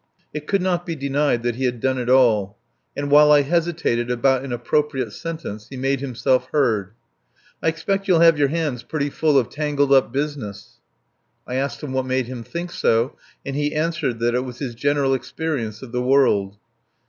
It could not be denied that he had done it all. And while I hesitated about an appropriate sentence he made himself heard: "I expect you'll have your hands pretty full of tangled up business." I asked him what made him think so; and he answered that it was his general experience of the world.